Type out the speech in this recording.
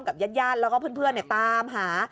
กับญาติย่านแล้วก็เพื่อนเนี่ยตามหา